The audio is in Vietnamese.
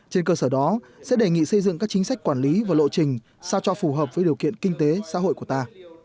trên cơ sở đó sẽ đề nghị xây dựng các chính sách quản lý và lộ trình sao cho phù hợp với điều kiện kinh tế xã hội của ta